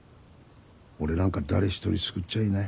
俺なんか誰一人救っちゃいない。